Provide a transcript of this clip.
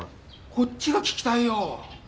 こっちが聞きたいよ！